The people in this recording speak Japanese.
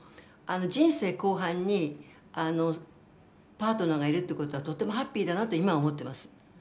あの人生後半にパートナーがいるってことはとってもハッピーだなと今は思ってます。